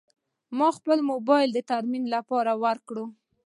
ما خپل موبایل د ترمیم لپاره ورکړ.